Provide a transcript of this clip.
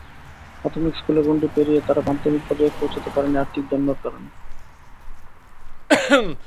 প্রাথমিক স্কুলের গণ্ডি পেরিয়ে তারা মাধ্যমিক পর্যায়ে পৌঁছাতে পারেনি আর্থিক দৈন্যের কারণে।